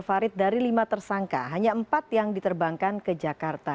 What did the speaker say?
farid dari lima tersangka hanya empat yang diterbangkan ke jakarta